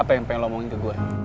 apa yang pengen omongin ke gue